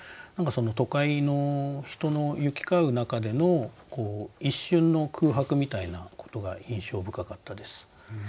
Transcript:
都会の人の行き交う中での一瞬の空白みたいなことが印象深かったです。